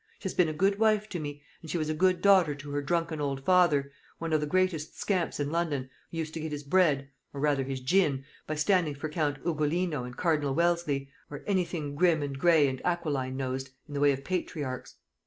She has been a good wife to me, and she was a good daughter to her drunken old father one of the greatest scamps in London, who used to get his bread or rather his gin by standing for Count Ugolino and Cardinal Wolsey, or anything grim and gray and aquiline nosed in the way of patriarchs.